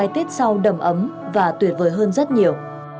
trầm ấm và tuyệt vời hơn rất nhiều